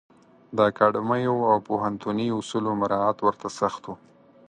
د اکاډمیو او پوهنتوني اصولو مرعات ورته سخت و.